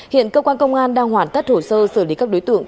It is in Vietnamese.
hiện cơ quan công an đang hoàn tất hồ sơ xử lý các đối tượng